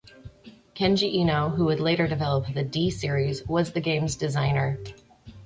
Kenji Eno, who would later develop the "D" series, was the game's designer.